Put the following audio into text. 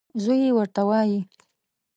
زوی یې ورته وايي .